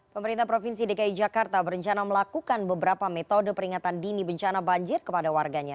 pemerintah provinsi dki jakarta berencana melakukan beberapa metode peringatan dini bencana banjir kepada warganya